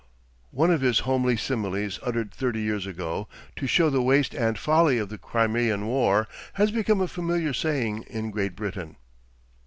One of his homely similes uttered thirty years ago, to show the waste and folly of the Crimean War, has become a familiar saying in Great Britain.